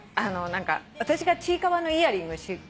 私がちいかわのイヤリングしてて。